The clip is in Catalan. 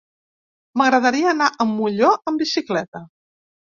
M'agradaria anar a Molló amb bicicleta.